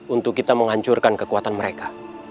untuk kita menghancurkan kekuatan mereka